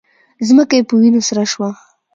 ځمکه یې په وینو سره شوه